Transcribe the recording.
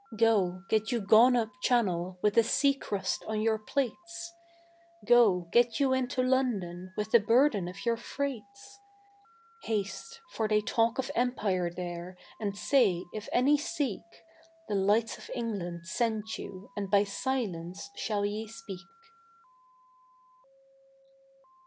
Go, get you gone up Channel with the sea crust on your plates; Go, get you into London with the burden of your freights! Haste, for they talk of Empire there, and say, if any seek, The Lights of England sent you and by silence shall ye speak.